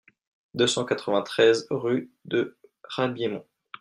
deux cent quatre-vingt-treize rue de Rabiémont